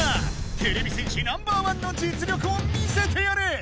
てれび戦士ナンバー１の実力を見せてやれ！